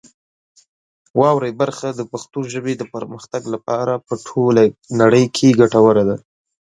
واورئ برخه د پښتو ژبې د پرمختګ لپاره په ټوله نړۍ کې ګټوره ده.